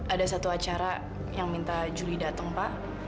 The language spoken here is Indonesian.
ada satu acara yang minta juli datang pak